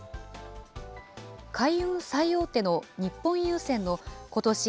海運最大手の日本郵船のことし